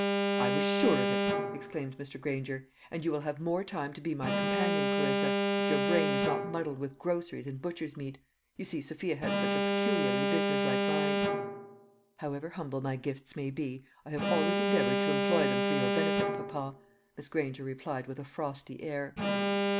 "I was sure of it," exclaimed Mr. Granger; "and you will have more time to be my companion, Clarissa, if your brain is not muddled with groceries and butcher's meat. You see, Sophia has such a peculiarly business like mind." "However humble my gifts may be, I have always endeavoured to employ them for your benefit, papa," Miss Granger replied with a frosty air.